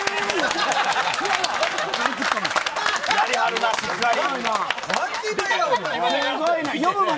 やりはるな、しっかり。